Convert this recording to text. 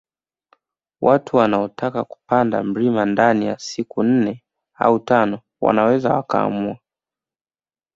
Watu wanaotaka kupanda mlima ndani ya siku nne au tano wanaweza wakaamua